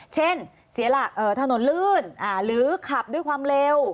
เช่นเสียหลักถนนลื่นหรือขับด้วยความเร็ว